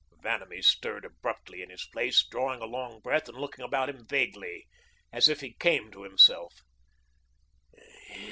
Vanamee stirred abruptly in his place, drawing a long breath and looking about him vaguely, as if he came to himself.